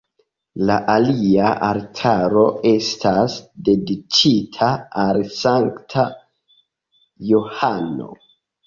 La alia altaro estas dediĉita al Sankta Johano.